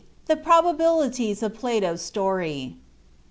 THE PROBABILITIES OF PLATO'S STORY.